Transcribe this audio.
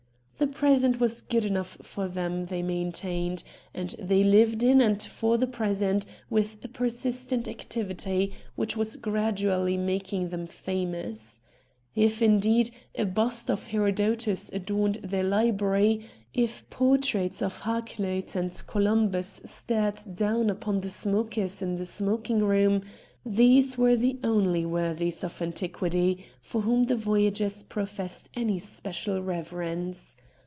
The present was good enough for them, they maintained, and they lived in and for the present with a persistent activity which was gradually making them famous. If, indeed, a bust of Herodotus adorned their library, if portraits of Hakluyt and Columbus stared down upon the smokers in the smoking room, THE VOYAGERS 3 these were the only worthies of antiquity for whom the Voyagers professed any special reverence.